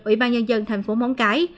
ủy ban nhân dân thành phố móng cái